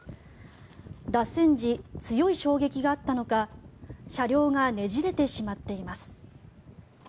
脱線時、強い衝撃があったのか車両がねじれてしまっています。